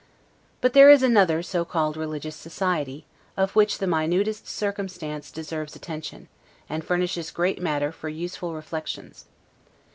But there is another (so called) religious society, of which the minutest circumstance deserves attention, and furnishes great matter for useful reflections.